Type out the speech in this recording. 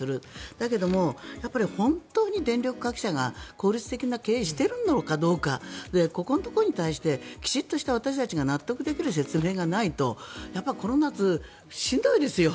だけども、本当に電力各社が効率的な経営をしているのかどうかここのところに対してきちっとした私たちが納得できる説明がないとこの夏、しんどいですよ。